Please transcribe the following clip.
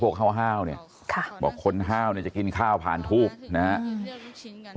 ห้าวเนี่ยบอกคนห้าวเนี่ยจะกินข้าวผ่านทูบนะครับ